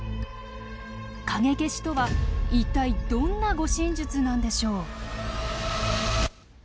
影消しとは一体どんな護身術なんでしょう。